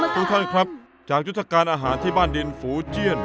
ทุกท่านครับจากยุทธการอาหารที่บ้านดินฝูเจี้ยน